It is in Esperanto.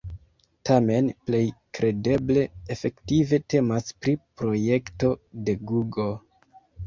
Tamen plej kredeble efektive temas pri projekto de Google.